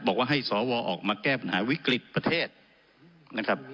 บอกว่าให้สวออกมาแก้ปัญหาวิกฤติประเทศนะครับ